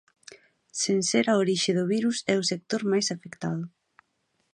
Sen ser a orixe do virus, é o sector máis afectado.